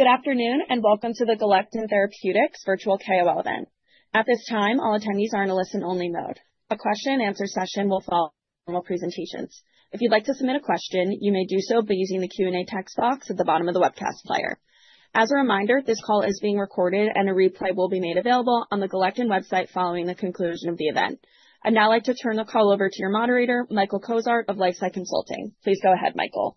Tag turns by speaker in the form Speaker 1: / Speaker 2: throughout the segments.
Speaker 1: Good afternoon, and welcome to the Galectin Therapeutics Virtual KOL event. At this time, all attendees are in a listen-only mode. A question and answer session will follow formal presentations. If you'd like to submit a question, you may do so by using the Q&A text box at the bottom of the webcast player. As a reminder, this call is being recorded, and a replay will be made available on the Galectin website following the conclusion of the event. I'd now like to turn the call over to your moderator, Michael Cozart of LifeSci Consulting. Please go ahead, Michael.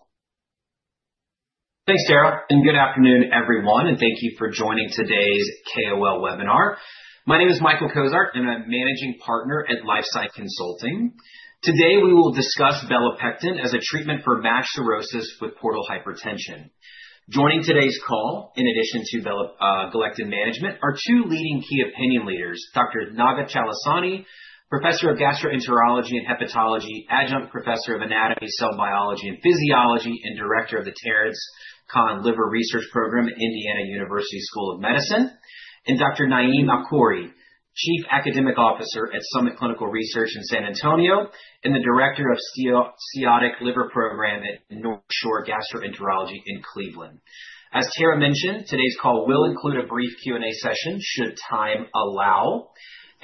Speaker 2: Thanks, Tara, and good afternoon, everyone, and thank you for joining today's KOL webinar. My name is Michael Cozart, and I'm Managing Partner at LifeSci Consulting. Today, we will discuss belapectin as a treatment for MASH cirrhosis with portal hypertension. Joining today's call, in addition to Galectin management, are two leading key opinion leaders, Dr. Naga Chalasani, Professor of Gastroenterology and Hepatology, Adjunct Professor of Anatomy, Cell Biology and Physiology, and Director of the Terance Kahn Liver Research Program at Indiana University School of Medicine. Dr. Naim Alkhouri, Chief Academic Officer at Summit Clinical Research in San Antonio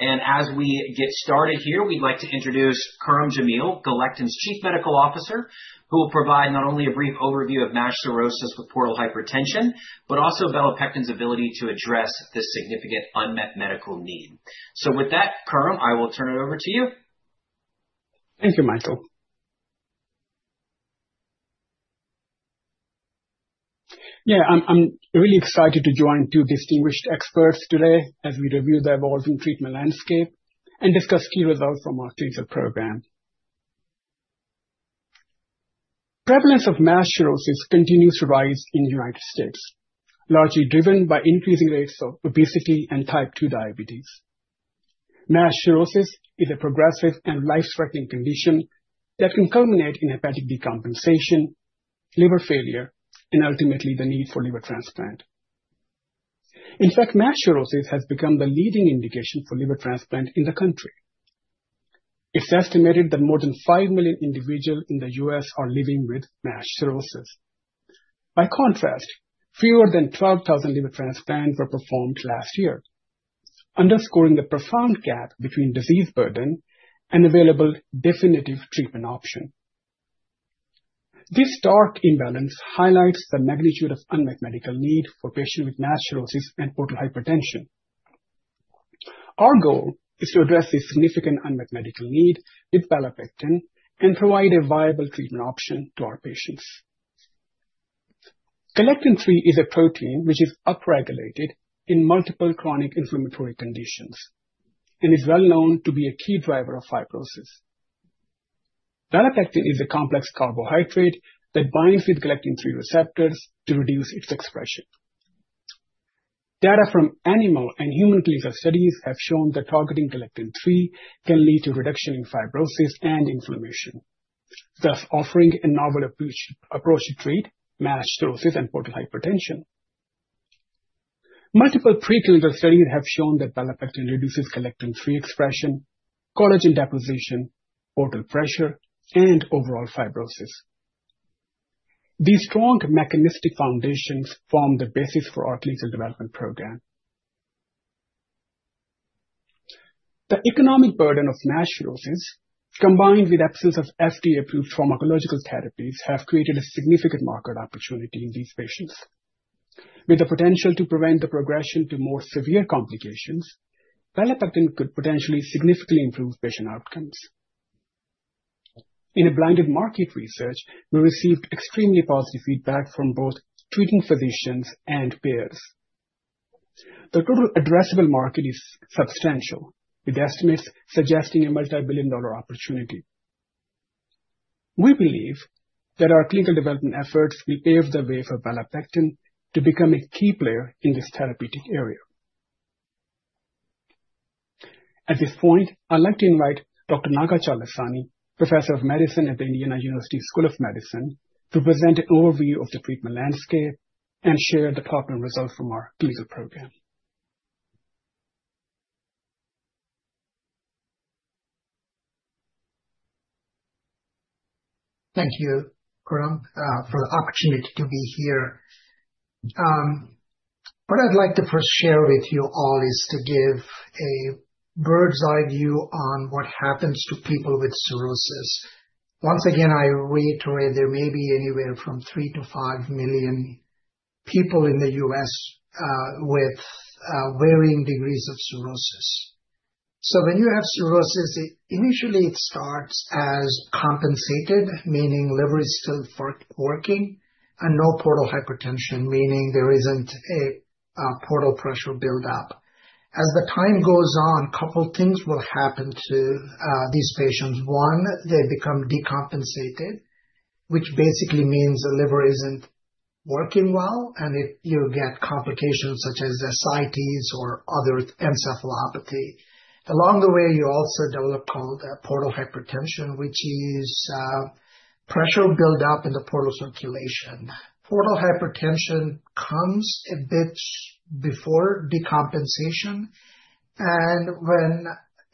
Speaker 2: and the Director of Cirrhotic Liver Program at North Shore Gastroenterology in Cleveland. As Tara mentioned, today's call will include a brief Q&A session, should time allow. As we get started here, we'd like to introduce Khurram Jamil, Galectin's Chief Medical Officer, who will provide not only a brief overview of MASH cirrhosis with portal hypertension, but also belapectin's ability to address this significant unmet medical need. With that, Khurram, I will turn it over to you.
Speaker 3: Thank you, Michael. Yeah, I'm really excited to join two distinguished experts today as we review the evolving treatment landscape and discuss key results from our clinical program. Prevalence of MASH cirrhosis continues to rise in the United States, largely driven by increasing rates of obesity and type two diabetes. MASH cirrhosis is a progressive and life-threatening condition that can culminate in hepatic decompensation, liver failure, and ultimately the need for liver transplant. In fact, MASH cirrhosis has become the leading indication for liver transplant in the country. It's estimated that more than 5 million individuals in the U.S. are living with MASH cirrhosis. By contrast, fewer than 12,000 liver transplants were performed last year, underscoring the profound gap between disease burden and available definitive treatment option. This stark imbalance highlights the magnitude of unmet medical need for patients with MASH cirrhosis and portal hypertension. Our goal is to address this significant unmet medical need with belapectin and provide a viable treatment option to our patients. Galectin-3 is a protein which is upregulated in multiple chronic inflammatory conditions and is well known to be a key driver of fibrosis. Belapectin is a complex carbohydrate that binds with Galectin-3 receptors to reduce its expression. Data from animal and human clinical studies have shown that targeting Galectin-3 can lead to reduction in fibrosis and inflammation, thus offering a novel approach to treat MASH cirrhosis and portal hypertension. Multiple preclinical studies have shown that belapectin reduces Galectin-3 expression, collagen deposition, portal pressure, and overall fibrosis. These strong mechanistic foundations form the basis for our clinical development program. The economic burden of MASH cirrhosis, combined with absence of FDA-approved pharmacological therapies, have created a significant market opportunity in these patients. With the potential to prevent the progression to more severe complications, belapectin could potentially significantly improve patient outcomes. In a blinded market research, we received extremely positive feedback from both treating physicians and payers. The total addressable market is substantial, with estimates suggesting a multi-billion dollar opportunity. We believe that our clinical development efforts will pave the way for belapectin to become a key player in this therapeutic area. At this point, I'd like to invite Dr. Naga Chalasani, Professor of Medicine at the Indiana University School of Medicine, to present an overview of the treatment landscape and share the pertinent results from our clinical program.
Speaker 4: Thank you, Khurram, for the opportunity to be here. What I'd like to first share with you all is to give a bird's-eye view on what happens to people with cirrhosis. Once again, I reiterate there may be anywhere from 3-5 million people in the U.S. with varying degrees of cirrhosis. When you have cirrhosis, it initially starts as compensated, meaning liver is still functioning, and no portal hypertension, meaning there isn't a portal pressure buildup. As the time goes on, a couple things will happen to these patients. One, they become decompensated, which basically means the liver isn't working well, and you'll get complications such as ascites or other encephalopathy. Along the way, you also develop portal hypertension, which is pressure buildup in the portal circulation. Portal hypertension comes a bit before decompensation.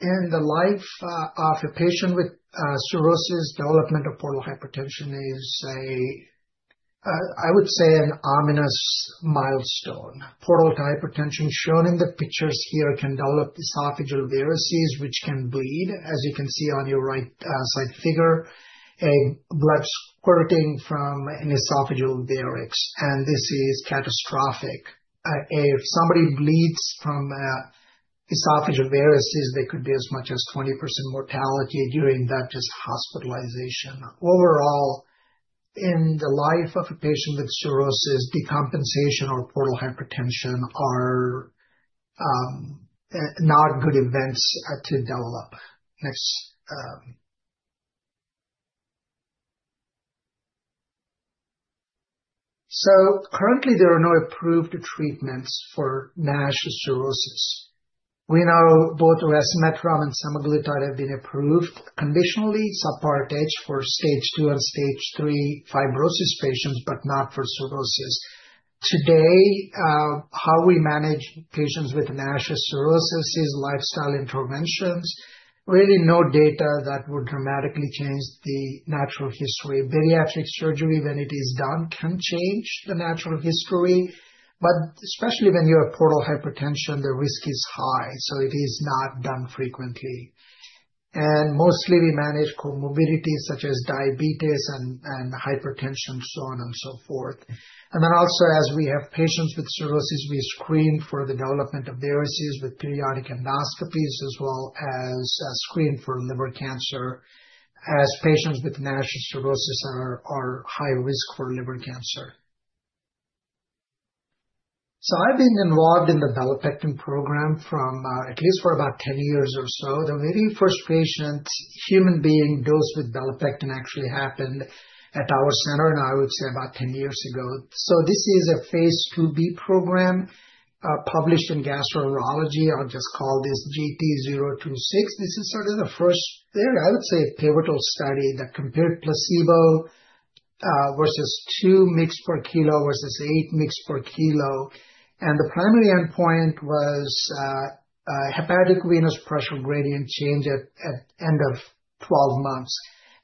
Speaker 4: In the life of a patient with cirrhosis, development of portal hypertension is a I would say an ominous milestone. Portal hypertension, shown in the pictures here, can develop esophageal varices, which can bleed. As you can see on your right side figure, a blood squirting from an esophageal varix. This is catastrophic. If somebody bleeds from esophageal varices, there could be as much as 20% mortality during that just hospitalization. Overall, in the life of a patient with cirrhosis, decompensation or portal hypertension are not good events to develop. Next. Currently, there are no approved treatments for NASH cirrhosis. We know both Resmetirom and Semaglutide have been approved conditionally for compensated stage 2 and stage 3 fibrosis patients, but not for cirrhosis. Today, how we manage patients with NASH cirrhosis is lifestyle interventions. Really no data that would dramatically change the natural history. Bariatric surgery, when it is done, can change the natural history, but especially when you have portal hypertension, the risk is high, so it is not done frequently. Mostly, we manage comorbidities such as diabetes and hypertension, so on and so forth. As we have patients with cirrhosis, we screen for the development of varices with periodic endoscopies, as well as screen for liver cancer, as patients with NASH cirrhosis are high risk for liver cancer. I've been involved in the belapectin program from at least for about 10 years or so. The very first patient, human being, dosed with belapectin actually happened at our center, and I would say about 10 years ago. This is a phase II-B program, published in Gastroenterology. I'll just call this GT-026. This is sort of the first there, I would say, pivotal study that compared placebo versus 2 mg per kg versus 8 mg per kg. The primary endpoint was hepatic venous pressure gradient change at end of 12 months.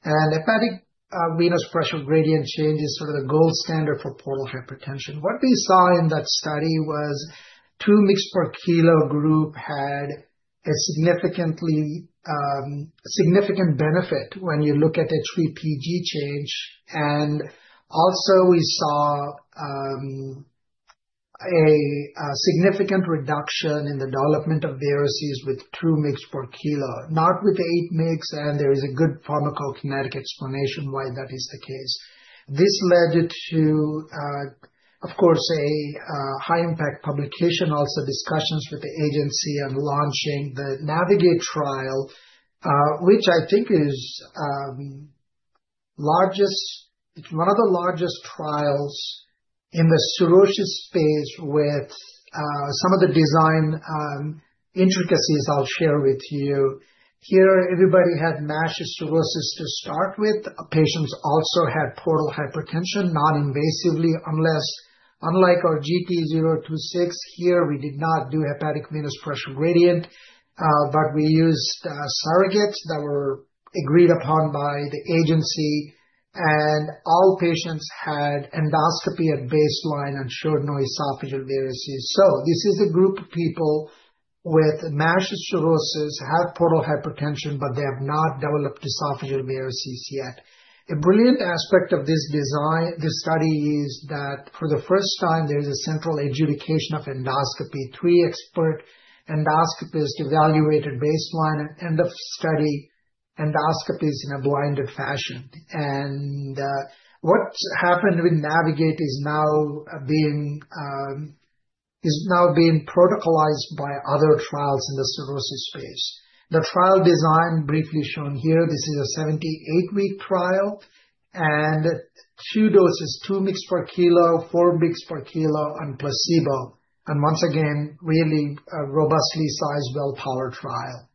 Speaker 4: Hepatic venous pressure gradient change is sort of the gold standard for portal hypertension. What we saw in that study was 2 mg per kg group had a significant benefit when you look at the HVPG change. Also we saw a significant reduction in the development of varices with 2 mg per kg, not with 8 mg, and there is a good pharmacokinetic explanation why that is the case. This led to, of course, a high impact publication, also discussions with the agency and launching the NAVIGATE trial, which I think is largest. It's one of the largest trials in the cirrhosis space with some of the design intricacies I'll share with you. Here, everybody had NASH cirrhosis to start with. Patients also had portal hypertension non-invasively, unlike our GT-026, here, we did not do hepatic venous pressure gradient, but we used surrogates that were agreed upon by the agency, and all patients had endoscopy at baseline and showed no esophageal varices. This is a group of people with NASH cirrhosis, have portal hypertension, but they have not developed esophageal varices yet. A brilliant aspect of this design, this study, is that for the first time, there is a central adjudication of endoscopy. Three expert endoscopists evaluated baseline and end of study endoscopies in a blinded fashion. What happened with NAVIGATE is now being protocolized by other trials in the cirrhosis space. The trial design briefly shown here, this is a 78-week trial and two doses, 2 mg/kg, 4 mg/kg and placebo. Once again, really a robustly sized, well-powered trial.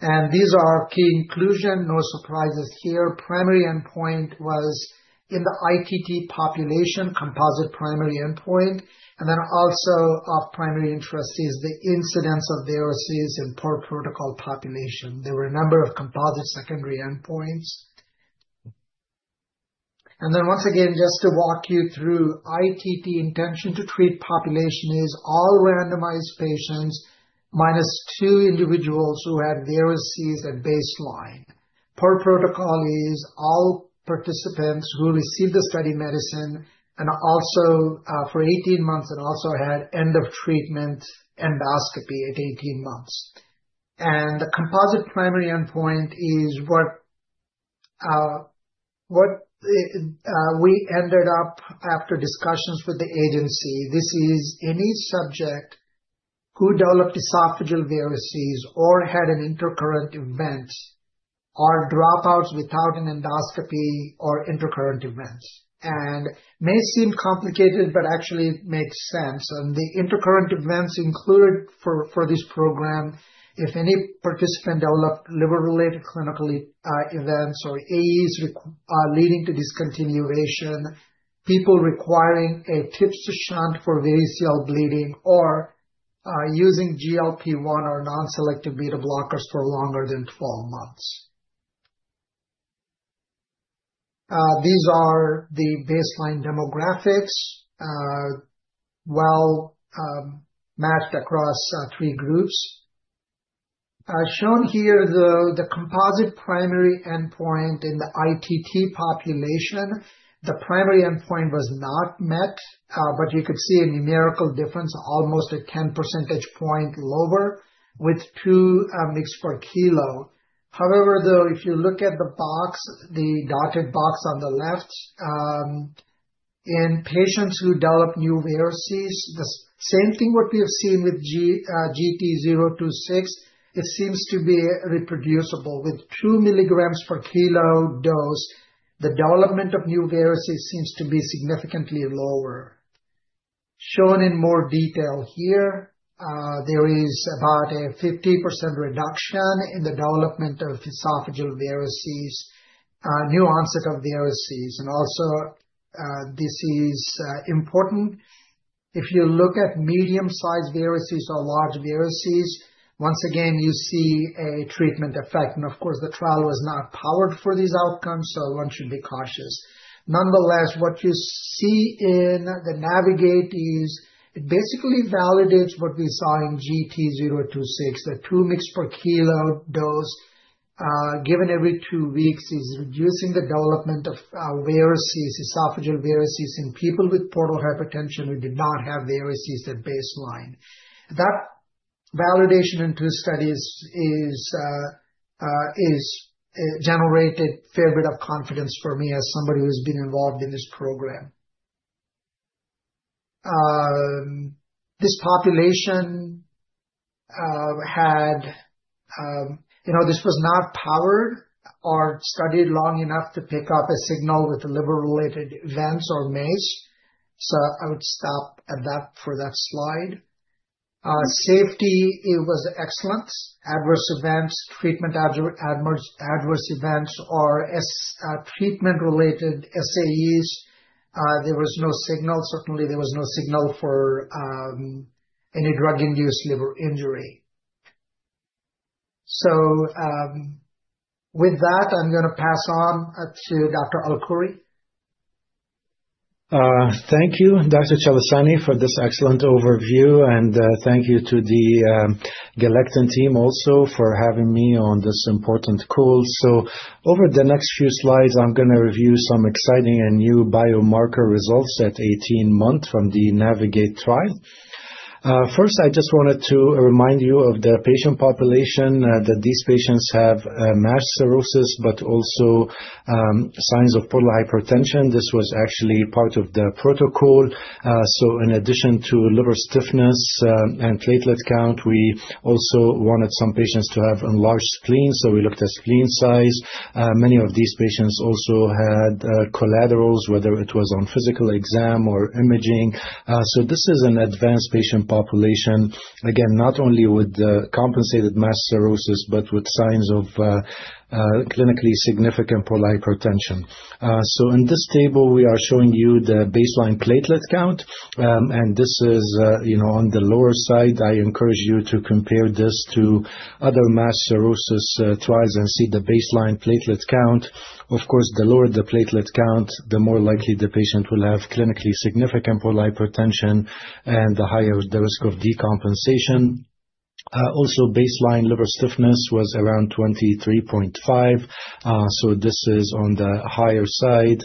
Speaker 4: These are our key inclusion. No surprises here. Primary endpoint was in the ITT population, composite primary endpoint. Then also of primary interest is the incidence of varices in per-protocol population. There were a number of composite secondary endpoints. Then once again, just to walk you through, ITT, intention to treat population, is all randomized patients minus 2 individuals who had varices at baseline. Per protocol is all participants who received the study medicine and also for 18 months and also had end of treatment endoscopy at 18 months. The composite primary endpoint is what we ended up after discussions with the agency. This is any subject who developed esophageal varices or had an intercurrent event or dropouts without an endoscopy or intercurrent events. It may seem complicated, but actually it makes sense. The intercurrent events included for this program, if any participant developed liver-related clinically events or AEs leading to discontinuation. People requiring a TIPS shunt for variceal bleeding or using GLP-1 or non-selective beta blockers for longer than 12 months. These are the baseline demographics matched across three groups. Shown here, the composite primary endpoint in the ITT population. The primary endpoint was not met, but you could see a numerical difference almost a 10 percentage point lower with 2 mgs per kilo. However, though, if you look at the box, the dotted box on the left, in patients who develop new varices, the same thing what we have seen with GT-026, it seems to be reproducible. With 2 milligrams per kilo dose, the development of new varices seems to be significantly lower. Shown in more detail here, there is about a 50% reduction in the development of esophageal varices, new onset of varices. Also, this is important. If you look at medium-sized varices or large varices, once again, you see a treatment effect and of course the trial was not powered for these outcomes, so one should be cautious. Nonetheless, what you see in the NAVIGATE is it basically validates what we saw in GT-026. The 2 mgs per kilo dose given every 2 weeks is reducing the development of varices, esophageal varices in people with portal hypertension who did not have varices at baseline. That validation in 2 studies is generated a fair bit of confidence for me as somebody who's been involved in this program. This population had. You know, this was not powered or studied long enough to pick up a signal with liver-related events or MASHes. I would stop at that for that slide. Safety, it was excellent. Adverse events, treatment-related adverse events or treatment-related SAEs, there was no signal. Certainly, there was no signal for any drug-induced liver injury. With that, I'm gonna pass on to Dr. Alkhouri.
Speaker 5: Thank you, Dr. Chalasani, for this excellent overview. Thank you to the Galectin team also for having me on this important call. Over the next few slides, I'm gonna review some exciting and new biomarker results at 18 months from the NAVIGATE trial. First, I just wanted to remind you of the patient population that these patients have MASH cirrhosis, but also signs of portal hypertension. This was actually part of the protocol. In addition to liver stiffness and platelet count, we also wanted some patients to have enlarged spleen, so we looked at spleen size. Many of these patients also had collaterals, whether it was on physical exam or imaging. This is an advanced patient population, again, not only with the compensated MASH cirrhosis, but with signs of clinically significant portal hypertension. In this table we are showing you the baseline platelet count, and this is, you know, on the lower side. I encourage you to compare this to other MASH cirrhosis trials and see the baseline platelet count. Of course, the lower the platelet count, the more likely the patient will have clinically significant portal hypertension and the higher the risk of decompensation. Also baseline liver stiffness was around 23.5, so this is on the higher side.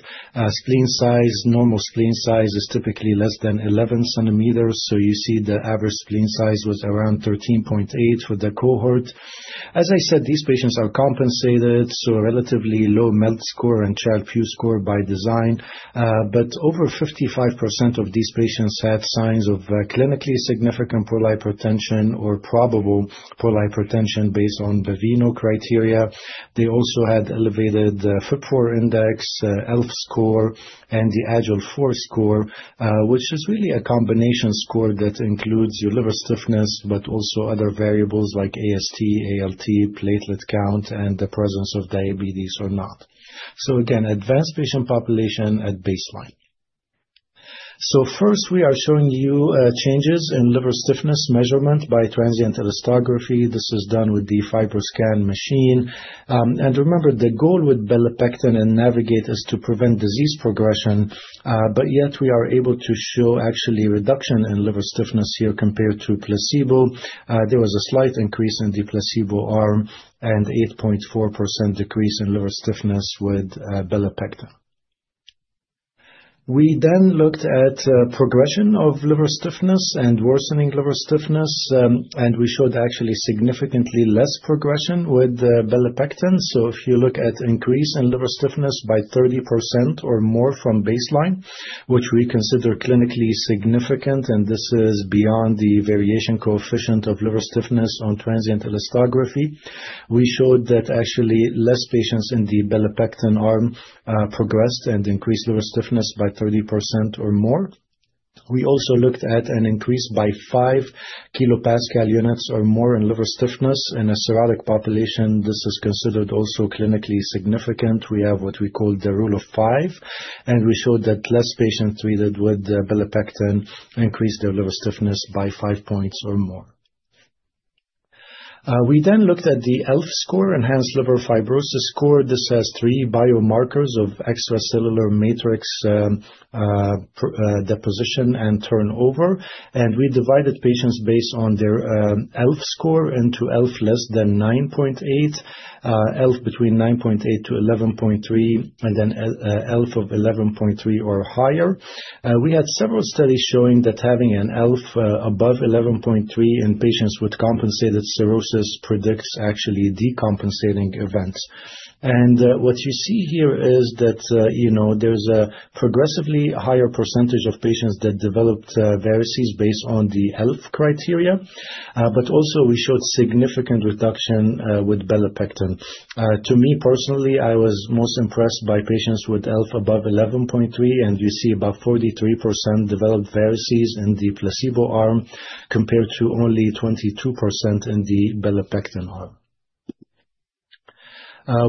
Speaker 5: Spleen size, normal spleen size is typically less than 11 cm, so you see the average spleen size was around 13.8 cm for the cohort. As I said, these patients are compensated, so relatively low MELD score and Child-Pugh score by design. Over 55% of these patients have signs of clinically significant portal hypertension or probable portal hypertension based on Baveno criteria. They also had elevated FIB-4 index, ELF score, and the AGILE 4 score, which is really a combination score that includes your liver stiffness, but also other variables like AST, ALT, platelet count and the presence of diabetes or not. Again, advanced patient population at baseline. First we are showing you changes in liver stiffness measurement by transient elastography. This is done with the FibroScan machine. Remember the goal with belapectin and NAVIGATE is to prevent disease progression, but yet we are able to show actually reduction in liver stiffness here compared to placebo. There was a slight increase in the placebo arm and 8.4% decrease in liver stiffness with belapectin. We then looked at progression of liver stiffness and worsening liver stiffness, and we showed actually significantly less progression with the belapectin. If you look at increase in liver stiffness by 30% or more from baseline, which we consider clinically significant, and this is beyond the variation coefficient of liver stiffness on transient elastography, we showed that actually less patients in the belapectin arm progressed and increased liver stiffness by 30% or more. We also looked at an increase by 5 kilopascal units or more in liver stiffness. In a cirrhotic population, this is considered also clinically significant. We have what we call the rule of five, and we showed that less patients treated with belapectin increased their liver stiffness by 5 points or more. We then looked at the ELF score, enhanced liver fibrosis score. This has three biomarkers of extracellular matrix deposition and turnover. We divided patients based on their ELF score into ELF less than 9.8, ELF between 9.8 to 11.3, and then ELF of 11.3 or higher. We had several studies showing that having an ELF above 11.3 in patients with compensated cirrhosis predicts actually decompensating events. What you see here is that you know, there's a progressively higher percentage of patients that developed varices based on the ELF criteria. We showed significant reduction with belapectin. To me personally, I was most impressed by patients with ELF above 11.3, and you see about 43% developed varices in the placebo arm, compared to only 22% in the belapectin arm.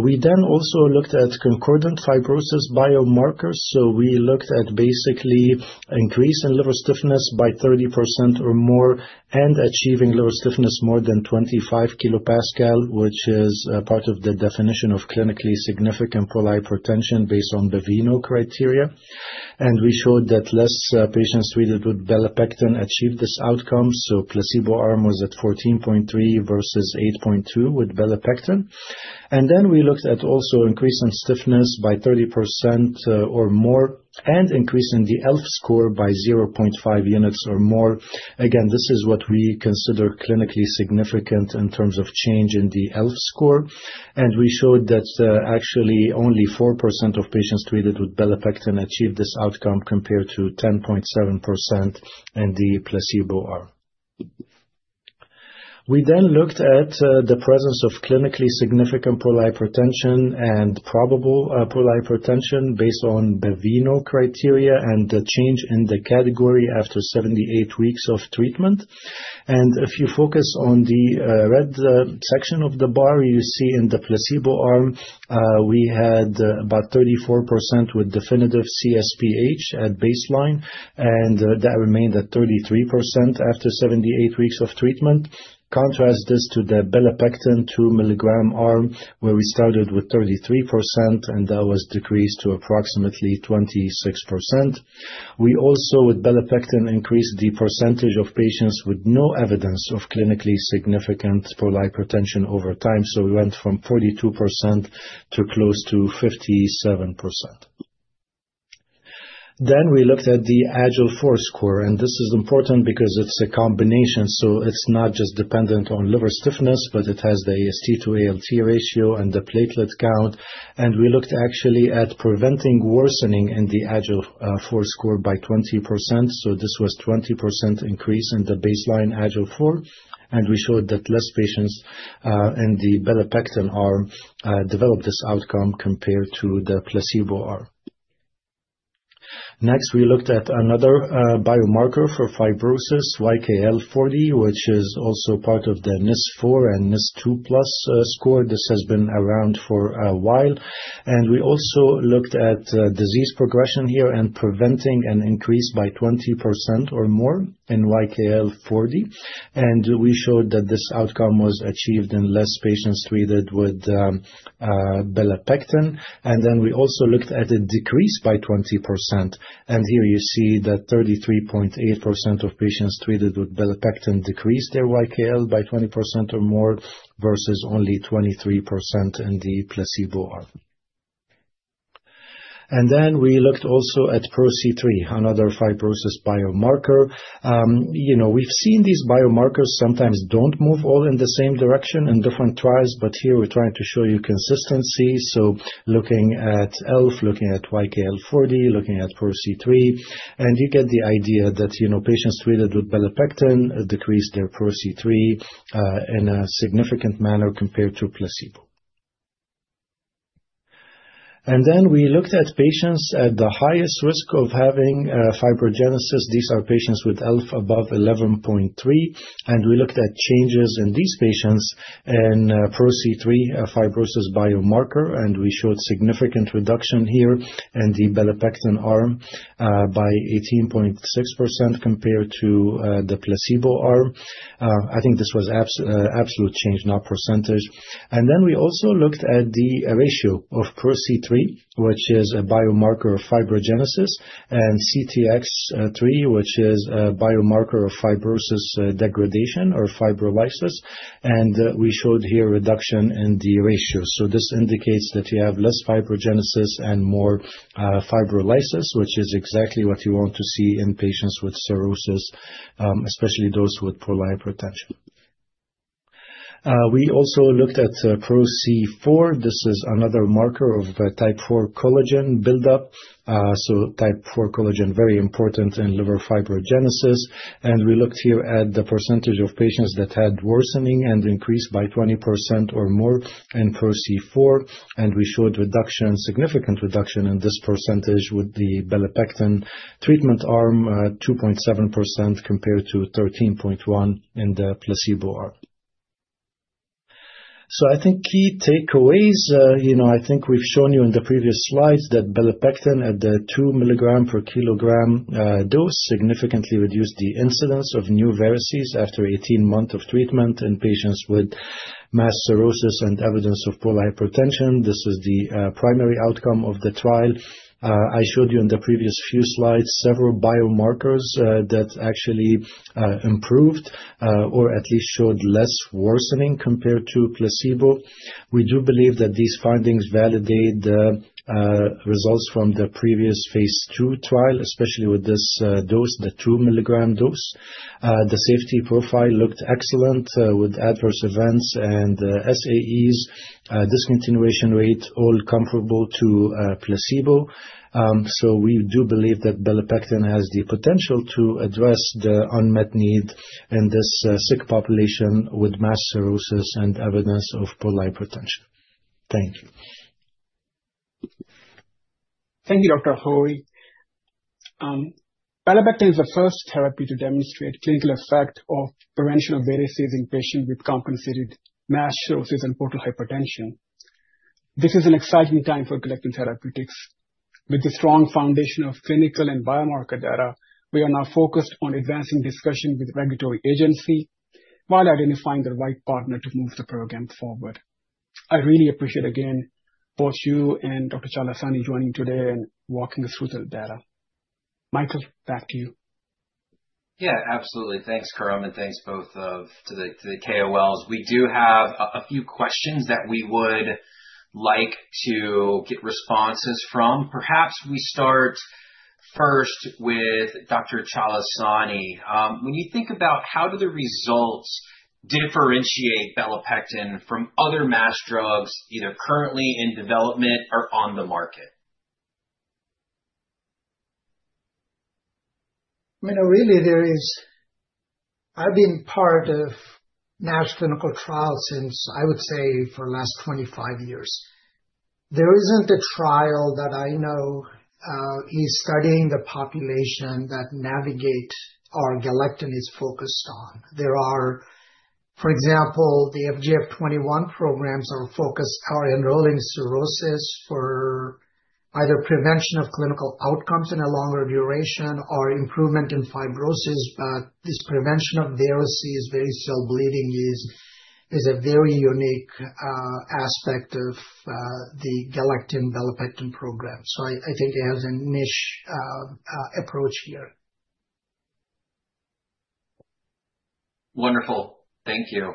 Speaker 5: We then also looked at concordant fibrosis biomarkers. We looked at basically increase in liver stiffness by 30% or more and achieving liver stiffness more than 25 kilopascal, which is part of the definition of clinically significant portal hypertension based on the Baveno criteria. We showed that less patients treated with belapectin achieved this outcome, so placebo arm was at 14.3 versus 8.2 with belapectin. We looked at also increase in stiffness by 30% or more and increase in the ELF score by 0.5 units or more. Again, this is what we consider clinically significant in terms of change in the ELF score, and we showed that, actually only 4% of patients treated with belapectin achieved this outcome, compared to 10.7% in the placebo arm. We then looked at the presence of clinically significant portal hypertension and probable portal hypertension based on the Baveno criteria and the change in the category after 78 weeks of treatment. If you focus on the red section of the bar, you see in the placebo arm we had about 34% with definitive CSPH at baseline, and that remained at 33% after 78 weeks of treatment. Contrast this to the belapectin 2 mg arm, where we started with 33%, and that was decreased to approximately 26%. We also, with belapectin, increased the percentage of patients with no evidence of clinically significant portal hypertension over time. We went from 42% to close to 57%. We looked at the AGILE 4 score, and this is important because it's a combination. It's not just dependent on liver stiffness, but it has the AST to ALT ratio and the platelet count. We looked actually at preventing worsening in the AGILE 4 score by 20%. This was 20% increase in the baseline AGILE 4, and we showed that less patients in the belapectin arm developed this outcome compared to the placebo arm. Next, we looked at another biomarker for fibrosis, YKL-40, which is also part of the NIS4 and NIS2+ score. This has been around for a while. We also looked at disease progression here and preventing an increase by 20% or more in YKL-40. We showed that this outcome was achieved in less patients treated with belapectin. We also looked at a decrease by 20%. Here you see that 33.8% of patients treated with belapectin decreased their YKL-40 by 20% or more, versus only 23% in the placebo arm. We looked also at PRO-C3, another fibrosis biomarker. You know, we've seen these biomarkers sometimes don't move all in the same direction in different trials, but here we're trying to show you consistency. Looking at ELF, looking at YKL-40, looking at PRO-C3, and you get the idea that, you know, patients treated with belapectin decrease their PRO-C3 in a significant manner compared to placebo. We looked at patients at the highest risk of having fibrogenesis. These are patients with ELF above 11.3. We looked at changes in these patients in PRO-C3, a fibrosis biomarker, and we showed significant reduction here in the belapectin arm by 18.6% compared to the placebo arm. I think this was absolute change, not percentage. We also looked at the ratio of PRO-C3, which is a biomarker of fibrogenesis, and CTX-III, which is a biomarker of fibrosis degradation or fibrolysis. We showed here reduction in the ratio. This indicates that you have less fibrogenesis and more fibrolysis, which is exactly what you want to see in patients with cirrhosis, especially those with portal hypertension. We also looked at PRO-C4. This is another marker of type IV collagen buildup. Type IV collagen, very important in liver fibrogenesis. We looked here at the percentage of patients that had worsening and increased by 20% or more in PRO-C4, and we showed reduction, significant reduction in this percentage with the belapectin treatment arm, 2.7% compared to 13.1% in the placebo arm. I think key takeaways, you know, I think we've shown you in the previous slides that belapectin at the 2 mg/kg dose significantly reduced the incidence of new varices after 18 months of treatment in patients with MASH cirrhosis and evidence of portal hypertension. This is the primary outcome of the trial. I showed you in the previous few slides several biomarkers that actually improved or at least showed less worsening compared to placebo. We do believe that these findings validate the results from the previous phase II trial, especially with this dose, the 2 milligram dose. The safety profile looked excellent with adverse events and SAEs, discontinuation rate, all comparable to placebo. We do believe that belapectin has the potential to address the unmet need in this sick population with MASH cirrhosis and evidence of portal hypertension. Thank you.
Speaker 3: Thank you, Dr. Alkhouri. Belapectin is the first therapy to demonstrate clinical effect of prevention of varices in patients with compensated MASH cirrhosis and portal hypertension. This is an exciting time for Galectin Therapeutics. With a strong foundation of clinical and biomarker data, we are now focused on advancing discussion with regulatory agency while identifying the right partner to move the program forward. I really appreciate, again, both you and Dr. Chalasani joining today and walking us through the data. Michael, back to you.
Speaker 2: Yeah, absolutely. Thanks, Khurram, and thanks to the KOLs. We do have a few questions that we would like to get responses from. Perhaps we start first with Dr. Chalasani. When you think about how do the results differentiate belapectin from other MASH drugs either currently in development or on the market?
Speaker 4: I mean, really there is. I've been part of MASH clinical trials since, I would say, for the last 25 years. There isn't a trial that I know is studying the population that NAVIGATE or Galectin is focused on. There are, for example, the FGF21 programs are focused or enrolling cirrhosis for either prevention of clinical outcomes in a longer duration or improvement in fibrosis. But this prevention of varices, variceal bleeding is a very unique aspect of the Galectin belapectin program. I think it has a niche approach here.
Speaker 2: Wonderful. Thank you.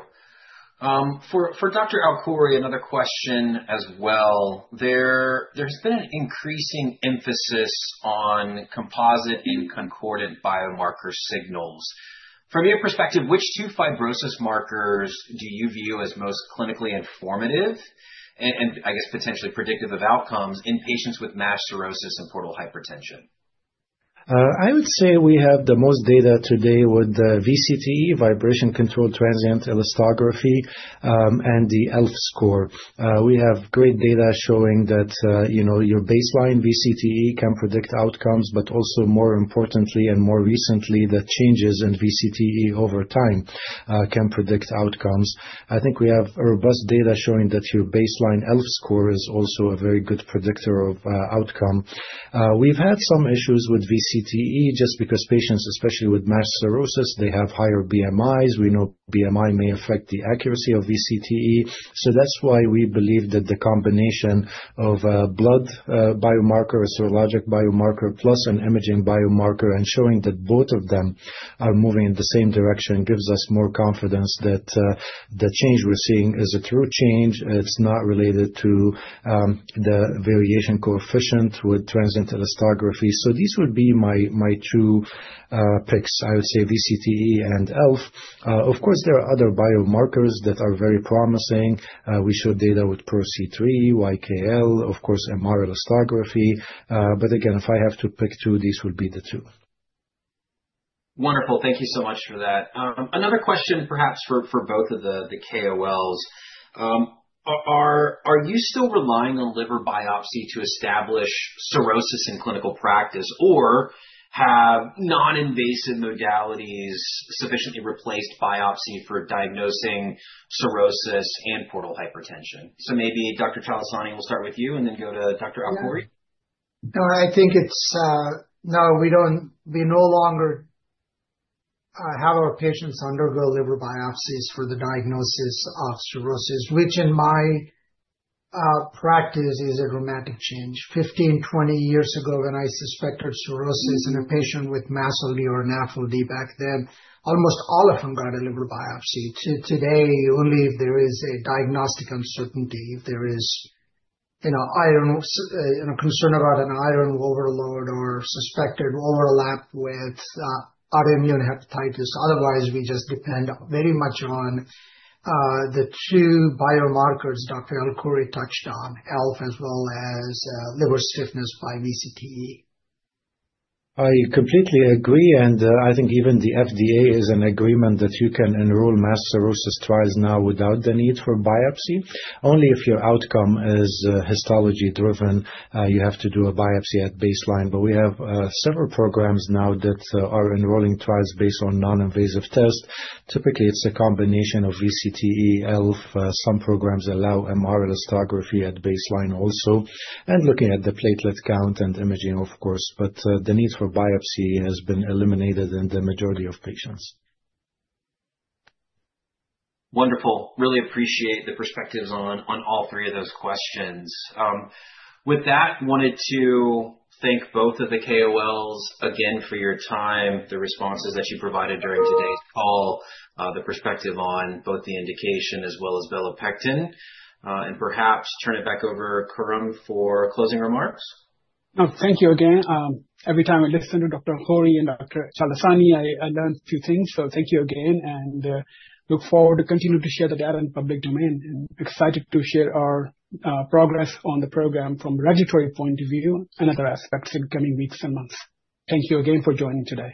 Speaker 2: For Dr. Naim Alkhouri, another question as well. There's been an increasing emphasis on composite and concordant biomarker signals. From your perspective, which two fibrosis markers do you view as most clinically informative and I guess potentially predictive of outcomes in patients with MASH cirrhosis and portal hypertension?
Speaker 5: I would say we have the most data today with VCTE, vibration-controlled transient elastography, and the ELF score. We have great data showing that, you know, your baseline VCTE can predict outcomes, but also more importantly and more recently, the changes in VCTE over time can predict outcomes. I think we have robust data showing that your baseline ELF score is also a very good predictor of outcome. We've had some issues with VCTE just because patients, especially with MASH cirrhosis, they have higher BMIs. We know BMI may affect the accuracy of VCTE. That's why we believe that the combination of blood biomarker, a serologic biomarker, plus an imaging biomarker and showing that both of them are moving in the same direction gives us more confidence that the change we're seeing is a true change. It's not related to the variation coefficient with transient elastography. These would be my two picks, I would say VCTE and ELF. Of course, there are other biomarkers that are very promising. We showed data with PRO-C3, YKL-40, of course, MR elastography. Again, if I have to pick two, these would be the two.
Speaker 2: Wonderful. Thank you so much for that. Another question perhaps for both of the KOLs. Are you still relying on liver biopsy to establish cirrhosis in clinical practice or have non-invasive modalities sufficiently replaced biopsy for diagnosing cirrhosis and portal hypertension? Maybe Dr. Chalasani, we'll start with you and then go to Dr. Alkhouri.
Speaker 4: No, we don't. We no longer have our patients undergo liver biopsies for the diagnosis of cirrhosis, which in my practice is a dramatic change. 15-20 years ago, when I suspected cirrhosis in a patient with MASLD or NAFLD back then, almost all of them got a liver biopsy. Today, only if there is a diagnostic uncertainty, if there is, you know, iron, you know, concern about an iron overload or suspected overlap with autoimmune hepatitis. Otherwise, we just depend very much on the two biomarkers Dr. Alkhouri touched on, ELF as well as liver stiffness by VCTE.
Speaker 5: I completely agree, and I think even the FDA is in agreement that you can enroll MASH cirrhosis trials now without the need for biopsy. Only if your outcome is histology-driven, you have to do a biopsy at baseline. We have several programs now that are enrolling trials based on non-invasive tests. Typically, it's a combination of VCTE, ELF, some programs allow MR elastography at baseline also, and looking at the platelet count and imaging, of course. The need for biopsy has been eliminated in the majority of patients.
Speaker 2: Wonderful. Really appreciate the perspectives on all three of those questions. With that, wanted to thank both of the KOLs again for your time, the responses that you provided during today's call, the perspective on both the indication as well as belapectin. Perhaps turn it back over, Khurram, for closing remarks.
Speaker 3: No, thank you again. Every time I listen to Dr. Alkhouri and Dr. Chalasani, I learn a few things. Thank you again, and look forward to continuing to share the data in public domain and excited to share our progress on the program from regulatory point of view and other aspects in coming weeks and months. Thank you again for joining today.